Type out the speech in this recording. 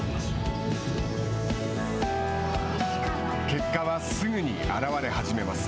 結果は、すぐに現れ始めます。